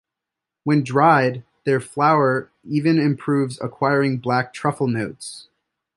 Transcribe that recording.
When dried their flavour even improves, acquiring black truffle notes.